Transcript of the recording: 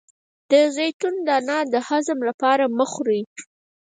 د زیتون دانه د هضم لپاره مه خورئ